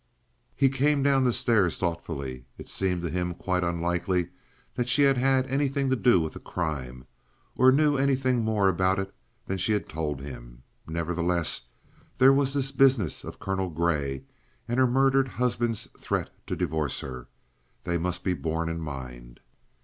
He came down the stairs thoughtfully. It seemed to him quite unlikely that she had had anything to do with the crime, or knew anything more about it than she had told him. Nevertheless, there was this business of Colonel Grey and her murdered husband's threat to divorce her. They must be borne in mind.